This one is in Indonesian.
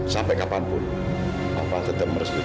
sampai kapanpun bapak tetap harus berikan